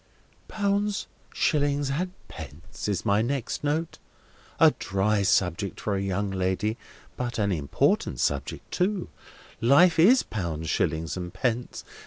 "'Pounds, shillings, and pence,' is my next note. A dry subject for a young lady, but an important subject too. Life is pounds, shillings, and pence.